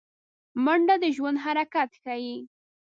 منډه د ژوند حرکت ښيي